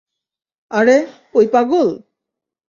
আরে, ওই পাগল?